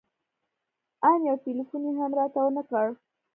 ان يو ټېلفون يې هم راته ونه کړ.